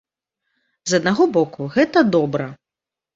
З аднаго боку, гэта добра.